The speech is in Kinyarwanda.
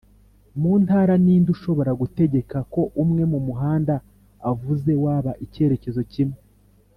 muntara ninde ushobora gutegeka ko umwe mumuhanda avuze waba icyerekezo kimwe